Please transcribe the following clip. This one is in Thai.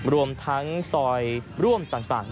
รวมทั้งซอยร่วมต่าง